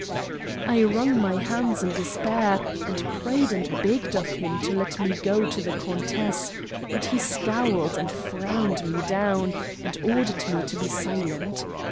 "I wrung my hands in despair and prayed and begged of him to let me go to the countess; but he scowled and frowned me down and ordered me to be silent.